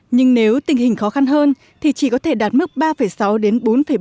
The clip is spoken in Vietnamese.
nhưng nếu tình hình khó khăn hơn thì chỉ có thể đạt mức ba sáu đến bốn bốn